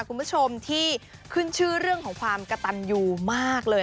คุณผู้ชมที่ขึ้นชื่อเรื่องของความกระตันยูมากเลย